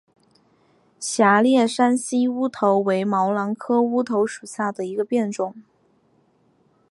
狭裂山西乌头为毛茛科乌头属下的一个变种。